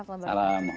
assalamualaikum wr wb